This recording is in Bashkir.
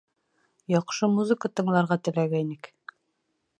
Яҡшы музыка тыңларға теләгәйнек